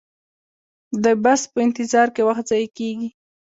د بس په انتظار کې وخت ضایع کیږي